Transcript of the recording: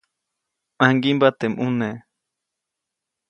ʼMaŋgiʼmba teʼ ʼmune.